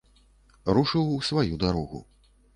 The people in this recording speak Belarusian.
Рушыў у сваю дарогу.